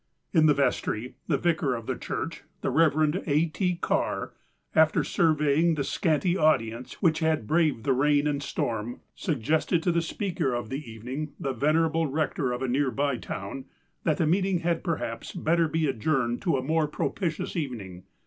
In the vestry, the vicar of the church, the Eev. A. T. Carr, after surveying the scanty audience which had braved the rain and storm, suggested to the speaker of the eveniug, the venerable rector of a near by town, that the meeting had perhaps better be adjourned to a more propitious evening.